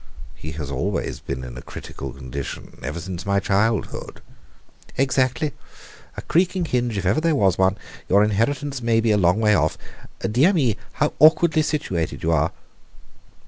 "He has always been in a critical condition ever since my childhood." "Exactly a creaking hinge, if ever there was one. Your inheritance may be a long way off. Dear me, how awkwardly situated you are!"